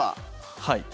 はい。